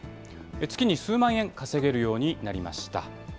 月に数万円稼げるようになりました。